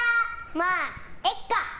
まあ、いっか！